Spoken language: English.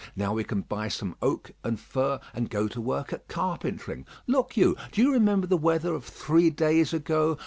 Now we can buy some oak and fir, and go to work at carpentering. Look you! Do you remember the weather of three days ago?